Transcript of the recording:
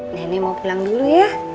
nenek mau pulang dulu ya